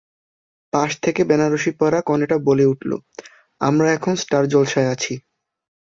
পাশ থেকে বেনারসি পরা কনেটা বলে উঠল " আমরা এখন স্টার জলসায় আছি।